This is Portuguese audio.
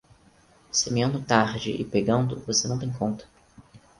Semeando tarde e pegando, você não tem conta.